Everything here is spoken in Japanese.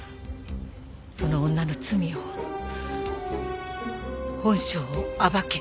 その女の罪を本性を暴けって。